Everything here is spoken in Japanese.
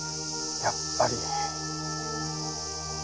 やっぱり。